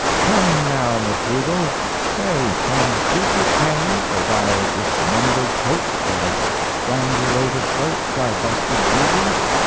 Come, now, Macdougall! Say— Can lucre pay For thy dismembered coat— Thy strangulated throat— Thy busted bugle?